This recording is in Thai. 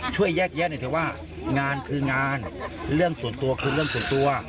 ช่วยแยกแยะหน่อยเถอะว่างานคืองานเรื่องส่วนตัวคือเรื่องส่วนตัว